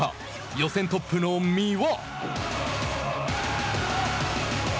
予選トップの三輪。